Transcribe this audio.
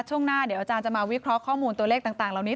ช่วงหน้าเดี๋ยวอาจารย์จะมาวิเคราะห์ข้อมูลตัวเลขต่างเหล่านี้